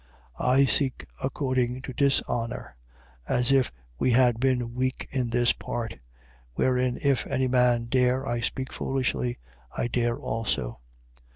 11:21. I seek according to dishonour, as if we had been weak in this part. Wherein if any man dare (I speak foolishly), I dare also.